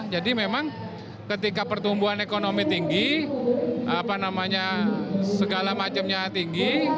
jadi memang ketika pertumbuhan ekonomi tinggi segala macamnya tinggi